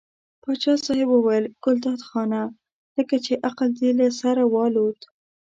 پاچا صاحب وویل ګلداد خانه لکه چې عقل دې له سره والوت.